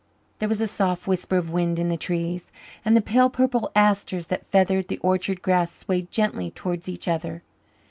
There was a soft whisper of wind in the trees, and the pale purple asters that feathered the orchard grass swayed gently towards each other.